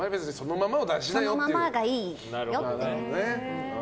そのままがいいよって。